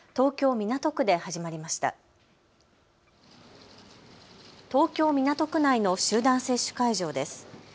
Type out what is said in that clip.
東京港区内の集団接種会場です。